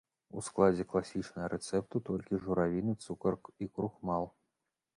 У складзе класічнага рэцэпту толькі журавіны, цукар і крухмал.